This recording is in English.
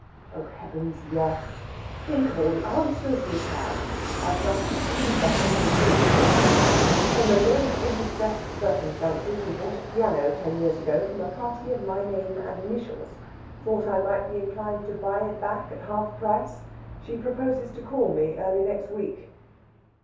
"Oh, heavens, yes. Think of the answers we've had! I've just received the hundred and forty second. From a lady in distressed circumstances who bought a piano ten years ago from a party of my name and initials thought I might be inclined to buy it back at half price. She proposes to call on me early next week."